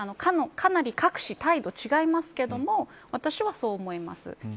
かなり、各紙態度は違いますけど私はそう思います。